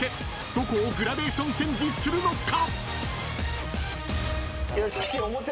どこをグラデーションチェンジするのか？］